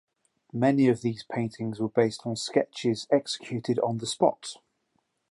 Many of these paintings were based on sketches executed on the spot.